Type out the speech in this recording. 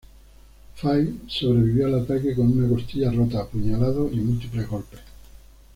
Fay sobrevivió al ataque con una costilla rota, apuñalado y múltiples golpes.